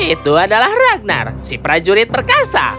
itu adalah ragnar si prajurit perkasa